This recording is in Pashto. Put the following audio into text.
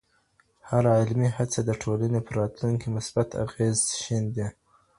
هره علمي هڅه د ټولني پر راتلونکي مثبت اغېز شیندي.